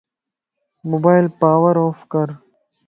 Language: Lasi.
موبائل پاور اوف ڪر